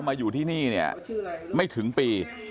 มาอยู่ที่นี่เนี่ยไม่ถึงปี